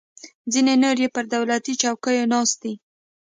ځینې نور یې پر دولتي چوکیو ناست دي.